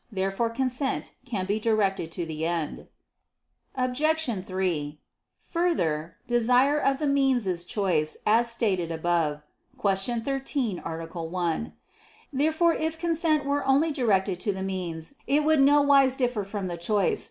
Therefore consent can be directed to the end. Obj. 3: Further, desire of the means is choice, as stated above (Q. 13, A. 1). If therefore consent were only directed to the means it would nowise differ from choice.